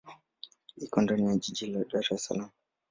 Iko ndani ya jiji la Dar es Salaam.